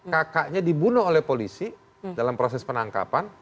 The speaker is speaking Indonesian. kakaknya dibunuh oleh polisi dalam proses penangkapan